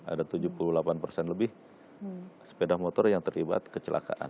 ada tujuh puluh delapan persen lebih sepeda motor yang terlibat kecelakaan